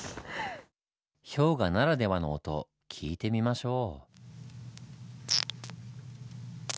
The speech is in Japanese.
氷河ならではの音聞いてみましょう。